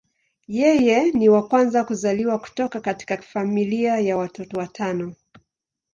Yeye ni wa kwanza kuzaliwa kutoka katika familia ya watoto watano.